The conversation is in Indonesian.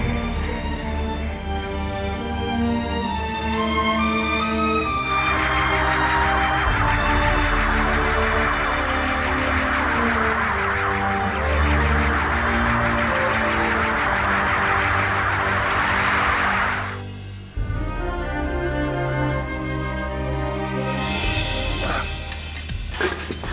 kau juga kena apa